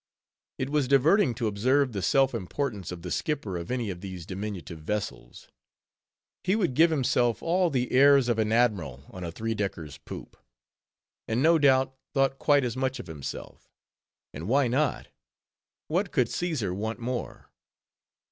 It was diverting to observe the self importance of the skipper of any of these diminutive vessels. He would give himself all the airs of an admiral on a three decker's poop; and no doubt, thought quite as much of himself. And why not? What could Caesar want more?